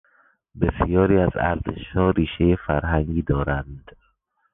بسیاری از ارزشها ریشهی فرهنگی دارند.